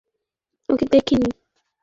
আমি ওকে দেখেছি।